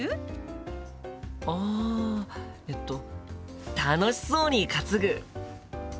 あえっと楽しそうに担ぐ。